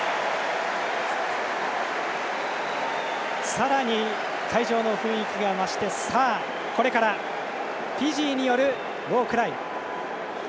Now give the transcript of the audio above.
さらに会場の雰囲気が増してさあ、これからフィジーによるウォークライ。